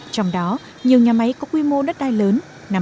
trong đó nhiều nhà máy có quy mô đất đai lớn